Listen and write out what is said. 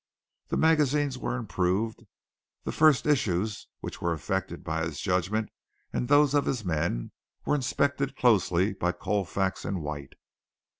The magazines were improved. The first issues which were affected by his judgment and those of his men were inspected closely by Colfax and White.